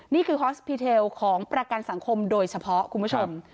นี่คือฮอสพีเทลของประกันสังคมโดยเฉพาะคุณผู้ชม